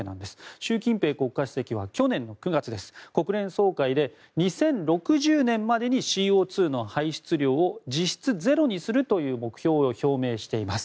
習近平国家主席は去年９月国連総会で２０６０年までにＣＯ２の排出量を実質ゼロにするという目標を表明しています。